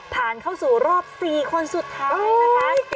ผ่านเข้าสู่รอบ๔คนสุดท้ายนะคะ